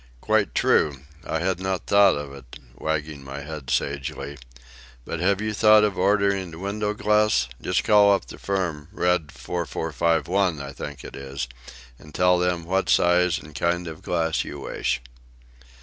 "Quite true; I had not thought of it," I replied, wagging my head sagely. "But have you thought of ordering the window glass? Just call up the firm,—Red, 4451, I think it is,—and tell them what size and kind of glass you wish."